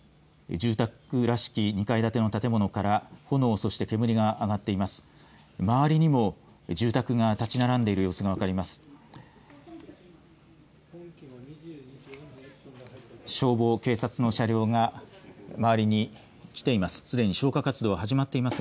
住宅らしき２階建ての建物から炎、そして煙が上がっています。